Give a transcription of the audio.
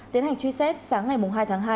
tiến hành truy xét sáng ngày hai tháng hai